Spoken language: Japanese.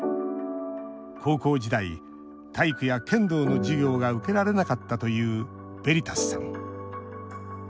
高校時代、体育や剣道の授業が受けられなかったというベリタスさん。